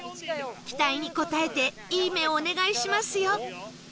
期待に応えていい目をお願いしますよ